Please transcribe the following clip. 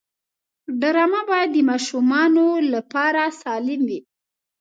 ډرامه باید د ماشومانو لپاره سالم وي